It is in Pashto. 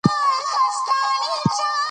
افغانستان د کلتور د ساتنې لپاره قوانین لري.